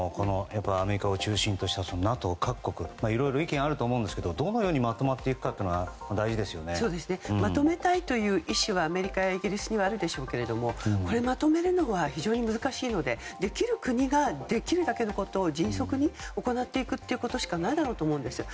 アメリカを中心としたＮＡＴＯ各国いろいろ意見があると思いますがどのようにまとまっていくかがまとめたいという意思はアメリカやイギリスにもあるでしょうがこれをまとめるのは非常に難しいのでできる国ができるだけのことを迅速に行っていくしかないだろうと思うんですよね。